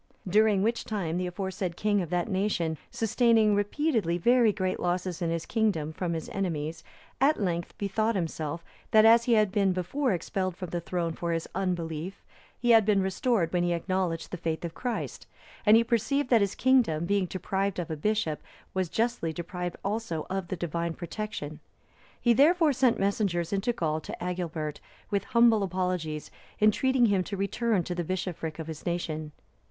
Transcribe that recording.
During which time, the aforesaid king of that nation, sustaining repeatedly very great losses in his kingdom from his enemies, at length bethought himself, that as he had been before expelled from the throne for his unbelief, he had been restored when he acknowledged the faith of Christ; and he perceived that his kingdom, being deprived of a bishop, was justly deprived also of the Divine protection. He, therefore, sent messengers into Gaul to Agilbert, with humble apologies entreating him to return to the bishopric of his nation.